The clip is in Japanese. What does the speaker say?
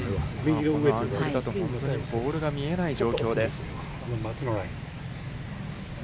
これだと本当に、ボールが見えない状況です。